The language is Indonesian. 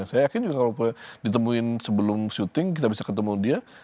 saya yakin juga kalau ditemuin sebelum syuting kita bisa ketemu dia